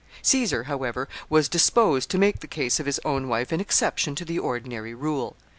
Caesar, however, was disposed to make the case of his own wife an exception to the ordinary rule.